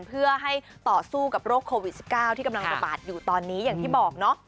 เพื่อให้ต่อสู้กับโรคโควิด๑๙ที่กำลังระบาดอยู่ตอนนี้อย่างที่บอกเนาะ